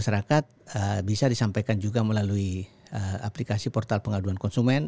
masyarakat bisa disampaikan juga melalui aplikasi portal pengaduan konsumen